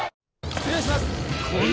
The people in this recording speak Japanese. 失礼します。